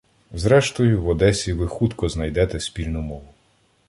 Зрештою, в Одесі ви хутко знайде спільну мову